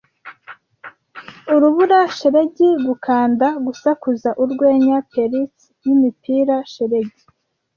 Urubura-shelegi, gukanda, gusakuza urwenya, pelts yimipira-shelegi,